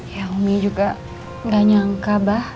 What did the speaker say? ya umi juga gak nyangka bah